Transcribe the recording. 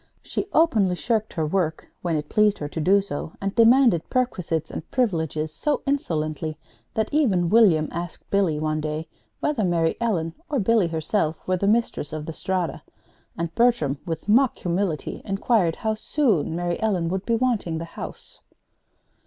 She openly shirked her work, when it pleased her so to do, and demanded perquisites and privileges so insolently that even William asked Billy one day whether Mary Ellen or Billy herself were the mistress of the Strata: and Bertram, with mock humility, inquired how soon Mary Ellen would be wanting the house.